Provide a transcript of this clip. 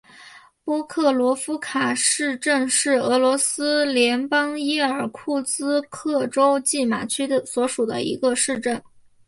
波克罗夫卡市镇是俄罗斯联邦伊尔库茨克州济马区所属的一个市镇。